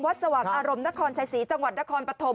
สว่างอารมณ์นครชัยศรีจังหวัดนครปฐม